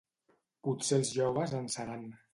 Potser els joves en seran.